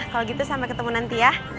kalau gitu sampai ketemu nanti ya